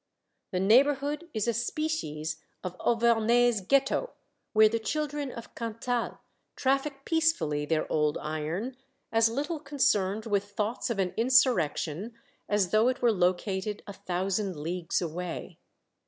The neighborhood is a species of Auvergnese ghetto where the children of Cantal traffic peacefully their old iron, as httle concerned with thoughts of an insurrection as though it were located a thousand leagues away.